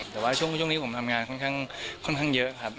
แต่ว่าช่วงนี้ดูแลของผมทำงานเคราะห์สำคัญเยอะครับ